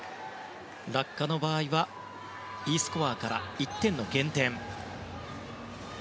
落下の場合はＥスコアから１点の減点。